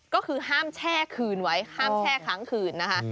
ก็คือห้ามแช่คืนไว้ห้ามแช่ค้างคืนนะคะ